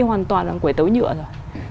hoàn toàn là quẩy tấu nhựa rồi